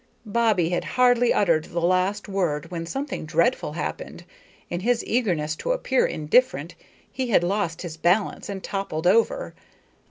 Bobbie had hardly uttered the last word when something dreadful happened. In his eagerness to appear indifferent he had lost his balance and toppled over.